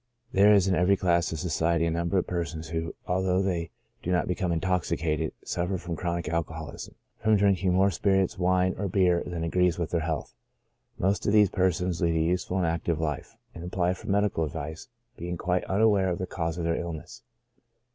There is in every class of society a number of persons who, although they do not become intoxicated, suffer from chronic alcoholism from drinking more spirits, wine, or beer than agrees with their health. Most of these persons lead a useful and active life, and apply for medical advice, being quite unaware of the cause of their illness.